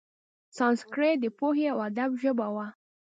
سانسکریت د پوهې او ادب ژبه وه.